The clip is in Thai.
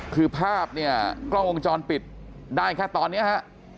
คือภาพเนี่ยกล้องวงจรปิดได้แค่ตอนนี้ฮะ